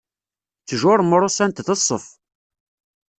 Ttjur mrussant d ṣṣeff.